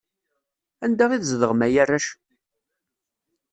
Anda i tzedɣem a arrac?